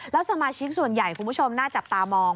แล้วสมาชิกส่วนใหญ่คุณผู้ชมน่าจับตามอง